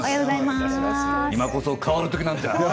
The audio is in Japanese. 今こそ変わる時なんじゃ。